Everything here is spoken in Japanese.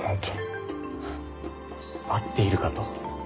あ合っているかと。